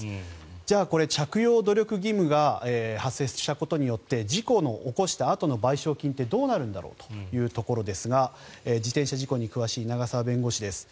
じゃあこれ、着用努力義務が発生したことによって事故の起こしたあとの賠償金ってどうなるんだろうというところですが自転車事故に詳しい永沢弁護士です。